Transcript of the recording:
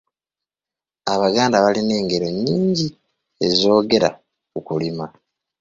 Abaganda balina engero nnyigi ezoogera ku kulima.